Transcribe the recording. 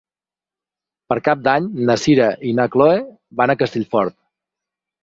Per Cap d'Any na Sira i na Chloé van a Castellfort.